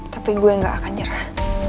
tapi gue gak akan nyerah